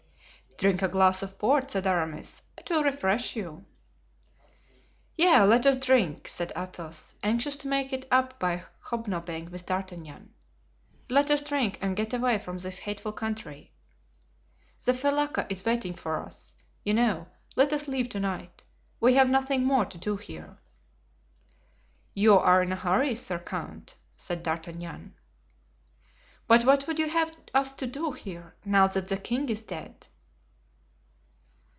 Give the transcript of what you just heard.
"Drink a glass of port," said Aramis; "it will refresh you." "Yes, let us drink," said Athos, anxious to make it up by hobnobbing with D'Artagnan, "let us drink and get away from this hateful country. The felucca is waiting for us, you know; let us leave to night, we have nothing more to do here." "You are in a hurry, sir count," said D'Artagnan. "But what would you have us to do here, now that the king is dead?"